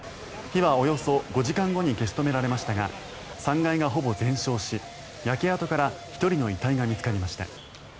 火はおよそ５時間後に消し止められましたが３階がほぼ全焼し、焼け跡から１人の遺体が見つかりました。